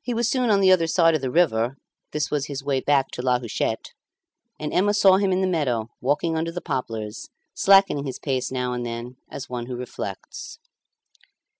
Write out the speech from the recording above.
He was soon on the other side of the river (this was his way back to La Huchette), and Emma saw him in the meadow, walking under the poplars, slackening his pace now and then as one who reflects.